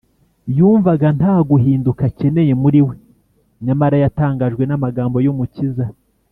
. Yumvaga nta guhinduka akeneye muri we. Nyamara yatangajwe n’amagambo y’Umukiza